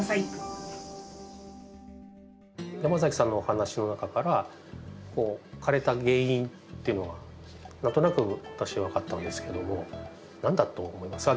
山崎さんのお話の中から枯れた原因っていうのが何となく私は分かったんですけども何だと思いますか？